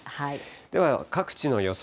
では各地の予想